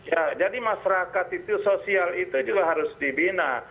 ya jadi masyarakat itu sosial itu juga harus dibina